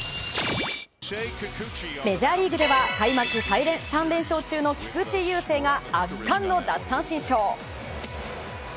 メジャーリーグでは開幕３連勝中の菊池雄星が圧巻の奪三振ショー。